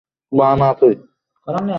ওতে মন্দ বৈ ভাল হবে না।